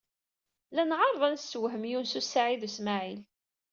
La nɛerreḍ ad nessewhem Yunes u Saɛid u Smaɛil.